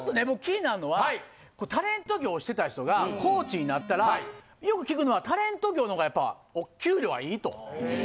僕気になるのはタレント業してた人がコーチになったらよく聞くのはタレント業のがやっぱ給料はいいと。